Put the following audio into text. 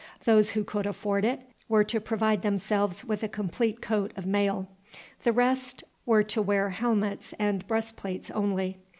Those who could afford it were to provide themselves with a complete coat of mail. The rest were to wear helmets and breast plates only.